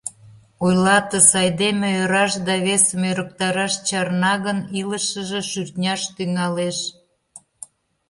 Ойлатыс, айдеме ӧраш да весым ӧрыктараш чарна гын, илышыже шӱртняш тӱҥалеш.